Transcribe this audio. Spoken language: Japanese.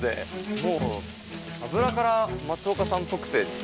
もう油から松岡さん特製ですね。